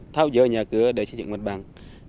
thao dơ nhà cửa để xây dựng mặt bằng